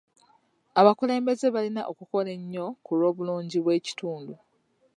Abakulembeze balina okukola ennyo ku lw'obulungi bw'ekitundu.